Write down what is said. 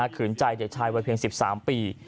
ขืนใจเด็กชายวัยเพียง๑๓ปี